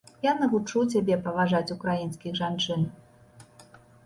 Я навучу цябе паважаць украінскіх жанчын.